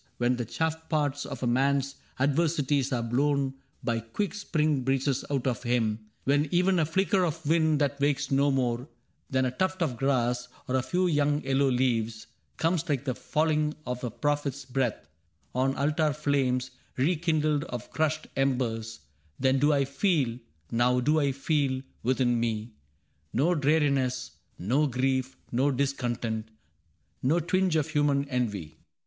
When the chafF parts of a man's adversities Are blown by quick spring breezes out of him — When even a flicker of wind that wakes no more I CAPTAIN CRAIG 21 Than a tuft of grass, or a few young yellow leaves, Comes like the falling of a prophet's breath On altar flames rekindled of crushed embers, — Then do I feel, now do I feel, within me No dreariness, no grief, no discontent. No twinge of human envy.